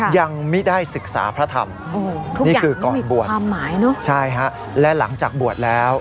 ยังไม่ได้ศึกษาพระธรรมนี่คือก่อนบวชความหมายเนอะใช่ฮะและหลังจากบวชแล้ว